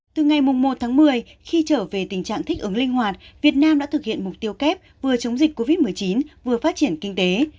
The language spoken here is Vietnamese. từ ngày một tháng một mươi khi trở về tình trạng thích ứng linh hoạt việt nam đã thực hiện mục tiêu kép vừa chống dịch covid một mươi chín vừa phát triển kinh tế